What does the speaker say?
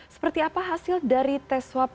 seperti apa hasil dari tes swab